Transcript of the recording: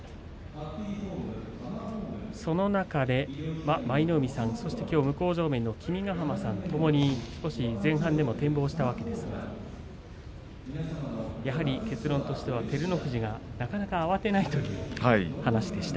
その中で舞の海さんそして向正面の君ヶ濱さんともに少し前半でも展望したわけですがやはり結論としては照ノ富士がなかなか慌てないという話でした。